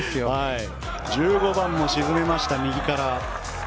１５番も沈めました右から。